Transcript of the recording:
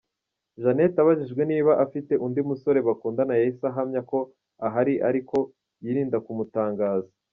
Jeannette abajijwe niba afite undi musore bakundana yahise ahamya ko ahari ariko yirinda kumutangaza.